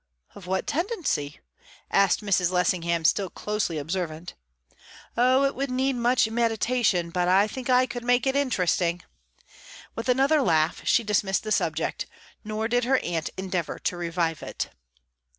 "Of what tendency?" asked Mrs. Lessingham, still closely observant. "Oh, it would need much meditation; but I think I could make it interesting." With another laugh, she dismissed the subject; nor did her aunt endeavour to revive it.